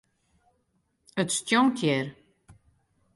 It stjonkt hjir.